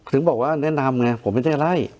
ถึงบอกว่าแนะนำไงผมไม่ได้ไล่